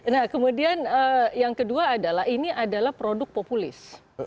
nah kemudian yang kedua adalah ini adalah produk populis